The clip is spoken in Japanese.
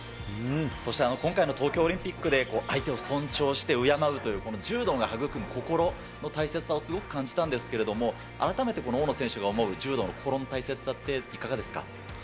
そして今回の東京オリンピックで、相手を尊重して敬うという、柔道が育む心の大切さをすごく感じたんですけれども、改めてこの大野選手が思う、心の大切さっていかがですか。